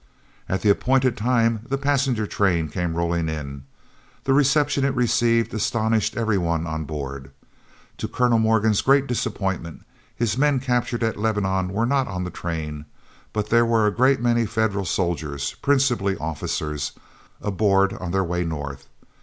At the appointed time the passenger train came rolling in. The reception it received astonished every one on board. To Colonel Morgan's great disappointment his men captured at Lebanon were not on the train; but there were a great many Federal soldiers, principally officers, aboard on their way North.